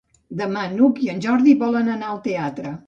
Demà n'Hug i en Jordi volen anar al teatre.